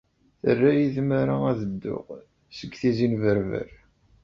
Terra-iyi tmara ad dduɣ seg Tizi n Berber.